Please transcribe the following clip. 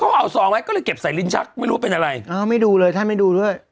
เขาเอาซองไว้ก็เลยเก็บใส่ลิ้นชักไม่รู้ว่าเป็นอะไรอ้าวไม่ดูเลยท่านไม่ดูด้วย